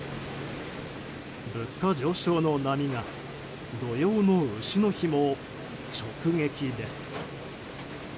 物価上昇の波が土用の丑の日も直撃です。